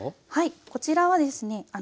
こちらはですね